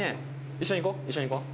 一緒に行こう一緒に行こう！